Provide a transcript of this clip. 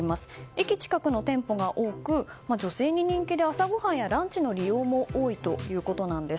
駅近くの店舗が多く女性に人気で朝ごはんやランチの利用も多いということなんです。